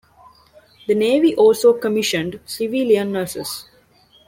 The Navy also commissioned civilian nurses.